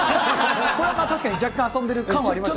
これは確かに若干遊んでる感はありましたけど。